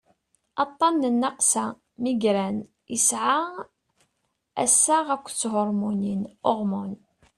aṭṭan n nnaqsa migraine yesɛa assaɣ akked thurmunin hormones